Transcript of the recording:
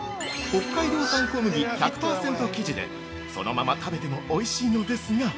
◆北海道産小麦１００％生地でそのまま食べてもおいしいのですが